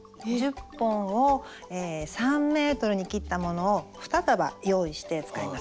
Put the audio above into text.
１０本を３ｍに切ったものを２束用意して使います。